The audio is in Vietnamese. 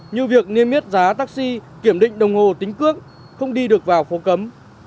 như việc niêm yết giá taxi kiểm định đồng hồ tính cước không đi được vào phố cấm